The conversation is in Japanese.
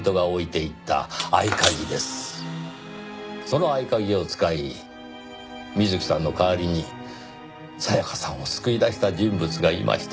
その合鍵を使い水木さんの代わりに沙也加さんを救い出した人物がいました。